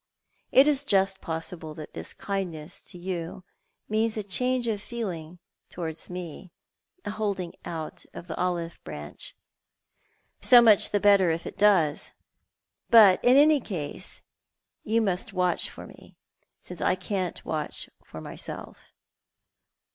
It is just possible that this kindncFS to you means a change of feeling towards me — a holding oi;t of the olive branch. So much the better if it does; but in any case you must watch for me, since I can't watch for myself.